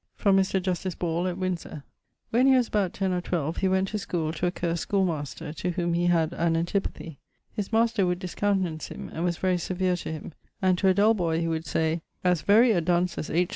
From Mr. Justice Ball at Windsore: when he was about 10 or 12 he went to schoole to a curs't schoolmaster, to whom he had an antipathie. His master would discountenance him, and was very severe to him, and to a dull boy he would say _as very a dunce as H.